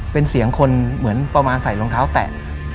เป็นเสียงคนเหมือนประมาณใส่รองเท้าแตะ